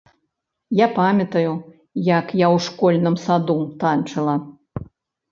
Я памятаю, як я ў школьным саду танчыла.